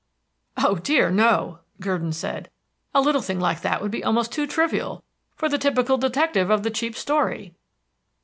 "Oh, dear, no," Gurdon said. "A little thing like that would be almost too trivial for the typical detective of the cheap story."